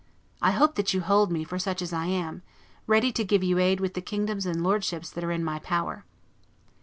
I hope that you hold me for such as I am, ready to give you aid with the kingdoms and lordships that are in my power."